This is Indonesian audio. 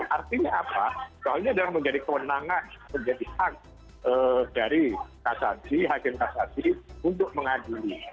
artinya apa soalnya adalah menjadi kewenangan menjadi hak dari hakim kasaji untuk mengadili